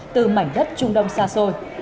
từ mảnh đất trung đông xa xôi